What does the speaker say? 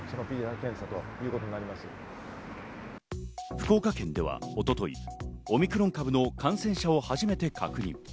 福岡県では一昨日、オミクロン株の感染者を初めて確認。